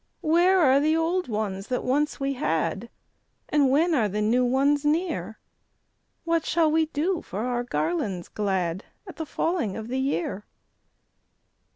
Where are the old ones that once we had, And when are the new ones near? What shall we do for our garlands glad At the falling of the year?"